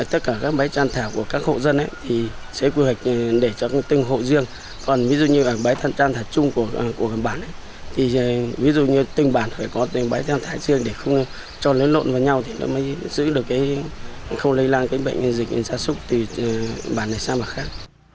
tiếp theo là tất cả các bãi trăn thả của các hộ dân thì sẽ quy hoạch để cho từng hộ riêng còn ví dụ như bãi trăn thả chung của bản thì ví dụ như từng bản phải có từng bãi trăn thả riêng để không cho lấy lộn vào nhau thì nó mới giữ được không lây lan bệnh dịch gia súc từ bản này sang mặt khác